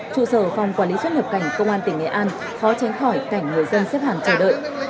trụ sở phòng quản lý xuất nhập cảnh công an tỉnh nghệ an khó tránh khỏi cảnh người dân xếp hàng chờ đợi